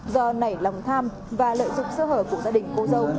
do nảy lòng tham và lợi dụng sơ hở của gia đình cô dâu